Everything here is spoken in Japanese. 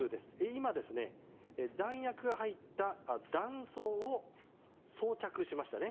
今、弾薬が入った弾倉を装着しましたね。